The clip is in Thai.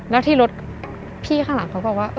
แล้วที่รถพี่ข้างหลังเขาบอกว่า